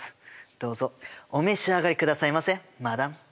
どうぞお召し上がりくださいませマダム。